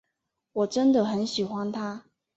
我真的很喜欢他。